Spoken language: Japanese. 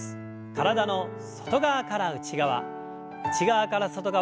体の外側から内側内側から外側。